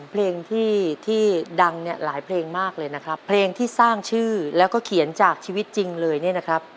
เพลงที่ที่ดังเนี่ยหลายเพลงมากเลยนะครับเพลงที่สร้างชื่อแล้วก็เขียนจากชีวิตจริงเลยเนี่ยนะครับ